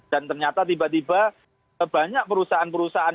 dan ternyata tiba tiba banyak perusahaan perusahaan